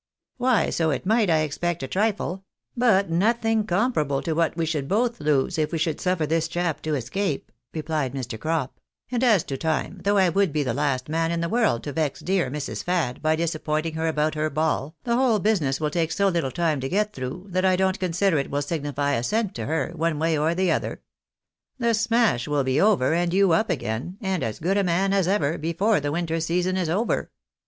" Why so it might, I expect, a trifle ; but nothing comparable AN INVESTMENT DEVISED FOR THE MAJOR. 277 to what we should both lose if we should suffer this chap to escape," rephed JMr. Crop ;" and as to time, though I would be the last man in the world to vex dear Mrs. Fad by disappointing her about her ball, the whole business will take so little time to get through, that I don't consider it will signify a cent to her, one way or the other. The smash will be over, and you up again, and as good a man as ever, before the winter season is over."